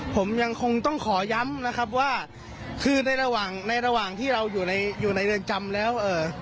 ผมยังคงต้องขอย้ำนะครับว่าคือในระหว่างที่เราอยู่ในเรือนจำแล้ว